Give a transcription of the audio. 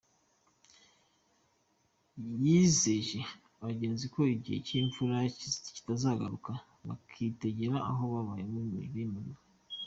Yizeje abagenzi ko igihe cy’imvura kitazagaruka bagitegera aho babaye bimuriwe.